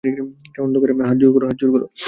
হাত জোড় কর।